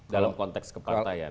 dalam konteks kepartaian